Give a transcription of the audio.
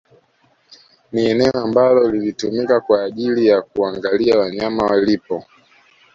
Ni eneo ambalo lilitumika kwa ajili ya kuangalia wanyama walipo